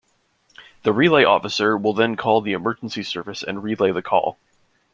The relay officer will then call the emergency service and relay the call.